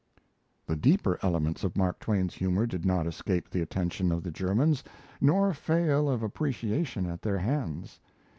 The deeper elements of Mark Twain's humour did not escape the attention of the Germans, nor fail of appreciation at their hands.